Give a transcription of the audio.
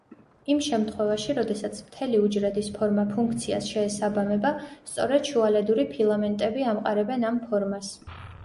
იმ შემთხვევაში, როდესაც მთელი უჯრედის ფორმა ფუნქციას შეესაბამება, სწორედ შუალედური ფილამენტები ამყარებენ ამ ფორმას.